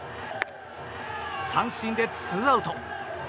三振でツーアウト。